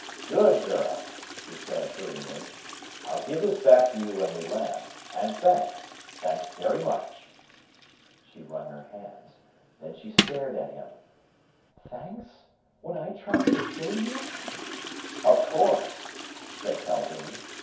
"Good girl!" he said approvingly. "I'll give this back to you when we land. And thanks. Thanks very much!" She wrung her hands. Then she stared at him. "Thanks? When I tried to kill you?" "Of course!" said Calhoun.